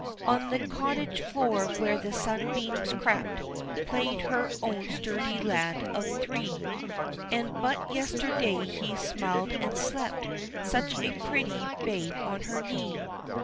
On the cottage floor where the sunbeams crept, Played her own sturdy lad of three, And but yesterday he smiled and he slept Such a pretty babe on her knee.